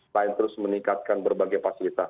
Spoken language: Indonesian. selain terus meningkatkan berbagai fasilitas